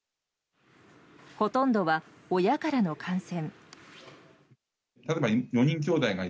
ほとんどは親からの感染。